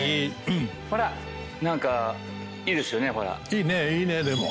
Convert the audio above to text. いいねいいねでも。